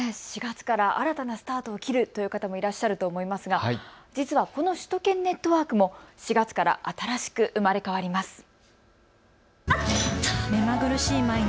４月から新たなスタートを切るという方もいらっしゃると思いますが、実はこの首都圏ネットワークも４月から新しく生まれ変わります。